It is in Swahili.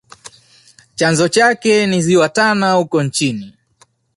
Chanzo chake ni ziwa tana huko nchini